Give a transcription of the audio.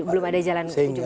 belum ada jalan kunjungnya ya